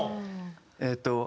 えっと。